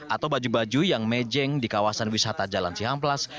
atau baju baju yang mejeng di kawasan wisata jalan cihamplas